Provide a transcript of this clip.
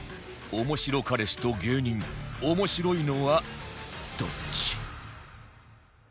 おもしろ彼氏と芸人面白いのはどっち？